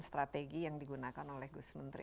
strategi yang digunakan oleh gus menteri